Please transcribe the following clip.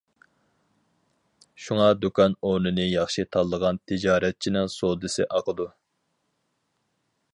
شۇڭا دۇكان ئورنىنى ياخشى تاللىغان تىجارەتچىنىڭ سودىسى ئاقىدۇ.